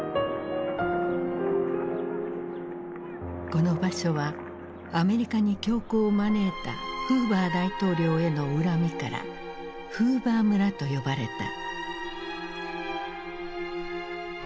この場所はアメリカに恐慌を招いたフーバー大統領への恨みからフーバー村と呼ばれた。